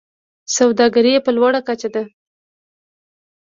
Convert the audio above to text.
سوداګري یې په لوړه کچه ده.